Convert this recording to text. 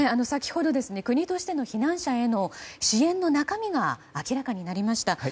先ほど、国としての避難者への支援の中身が明らかになりました。